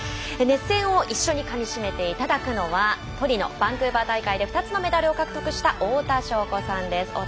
熱戦を一緒にかみしめていただくのはトリノ、バンクーバー大会で２つのメダルを獲得した太田渉子さんです。